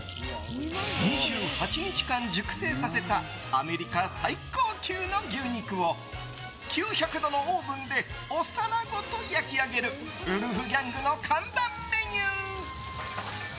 ２８日間熟成させたアメリカ最高級の牛肉を９００度のオーブンでお皿ごと焼き上げるウルフギャングの看板メニュー。